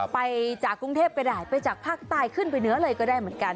ไปจากกรุงเทพก็ได้ไปจากภาคใต้ขึ้นไปเหนือเลยก็ได้เหมือนกัน